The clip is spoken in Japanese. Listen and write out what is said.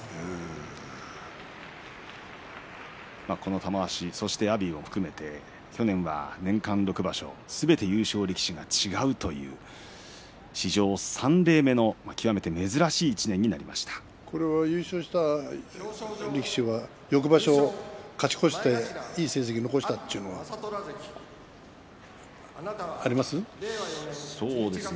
玉鷲、阿炎を含めて去年は年間６場所すべて優勝力士が違うという史上３例目の優勝した力士が翌場所を勝ち越していい成績残したというのはあります？